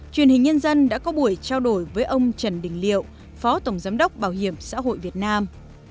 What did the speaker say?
truyền hình nhân dân đã có buổi trao đổi với ông trần đình liệu phó tổng giám đốc bảo hiểm xã hội việt nam